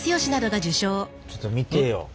ちょっと見てよ。